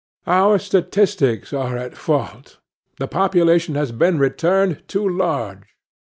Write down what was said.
Our statistics are at fault: the population has been returned too large.